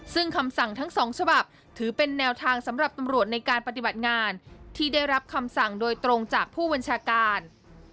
ซึ่งคำสั่งทั้งสองฉบับถือเป็นแนวทางสำหรับตำรวจในการปฏิบัติงานที่ได้รับคำสั่งโดยตรงจากผู้บัญชาการ